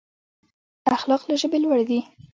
اخلاق له ژبې لوړ دي.